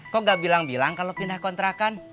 kok gak bilang bilang kalau pindah kontrakan